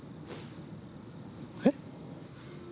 えっ？